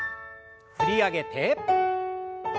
振り上げて。